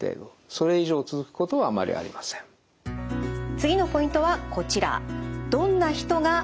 次のポイントはこちら。